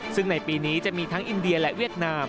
ซึ่งในปีนี้จะมีทั้งอินเดียและเวียดนาม